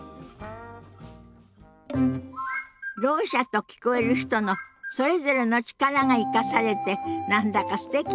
ろう者と聞こえる人のそれぞれの力が生かされて何だかすてきよね。